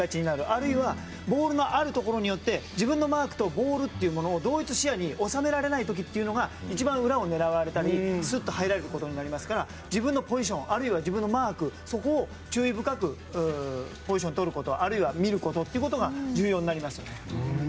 あるいはボールのあるところによって自分のマークとボールというものを同一視野に収められない時が一番、裏を狙われたりスッと入られることになりますから自分のポジションあるいは自分のマークを注意深くポジションを取ることあるいは見ることが重要になりますね。